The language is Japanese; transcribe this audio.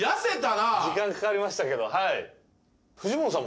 時間かかりましたけど。